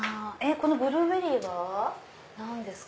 このブルーベリーは何ですか？